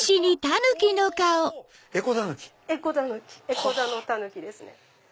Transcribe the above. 「江古田のたぬき」ですね。